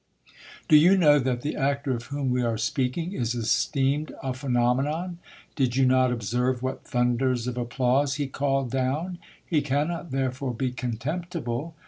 Do you know that the actor of whom we are speaking is esteemed a phenomenon ? Did you not observe what thunders of applause he called down ? He cannot therefore be contemptible.